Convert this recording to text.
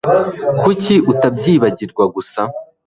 Kuki utabyibagirwa gusa